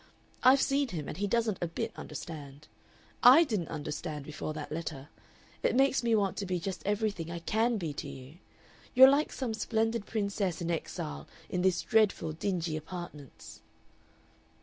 I've seen him, and he doesn't a bit understand. I didn't understand before that letter. It makes me want to be just everything I CAN be to you. You're like some splendid Princess in Exile in these Dreadful Dingy apartments!"